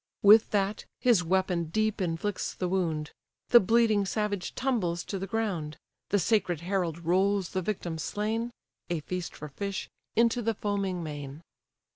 With that, his weapon deep inflicts the wound; The bleeding savage tumbles to the ground; The sacred herald rolls the victim slain (A feast for fish) into the foaming main.